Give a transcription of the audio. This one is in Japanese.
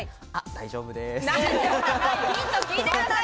大丈夫です。